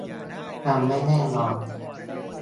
ยังไม่แน่นอน